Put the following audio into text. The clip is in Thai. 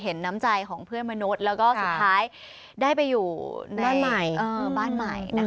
เห็นน้ำใจของเพื่อนมนุษย์แล้วก็สุดท้ายได้ไปอยู่ในบ้านใหม่